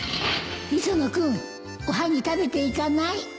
磯野君おはぎ食べていかない？